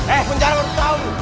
eh penjara orang tahu